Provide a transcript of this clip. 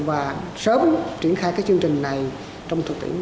và sớm triển khai cái chương trình này trong thực tiễn